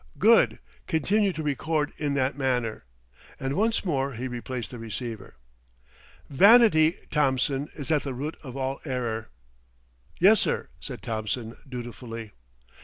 "Good, continue to record in that manner;" and once more he replaced the receiver. "Vanity, Thompson, is at the root of all error." "Yes, sir, said Thompson dutifully.